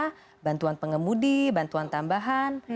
ada bantuan pengemudi bantuan tambahan